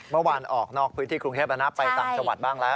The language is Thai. เมื่อวานออกนอกพื้นที่กรุงเทพแล้วนะไปต่างจังหวัดบ้างแล้ว